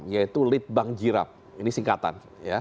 yaitu lead bank jirap ini singkatan